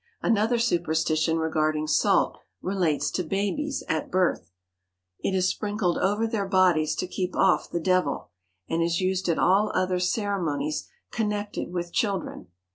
Another superstition regarding salt relates to babies at birth. It is sprinkled over their bodies to keep off the devil, and is used at all other ceremonies connected with children.